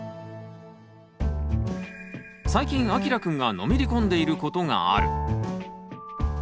最近あきらくんがのめり込んでいることがある。